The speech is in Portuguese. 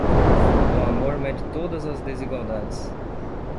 O amor mede todas as desigualdades.